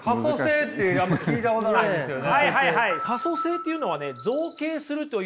可塑性ってあんま聞いたことないですよね。